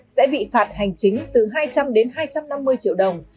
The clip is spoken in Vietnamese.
sẽ bị phạt hành chính từ hai trăm linh đến hai trăm năm mươi triệu đồng